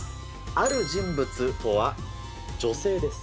ある人物とは、女性です。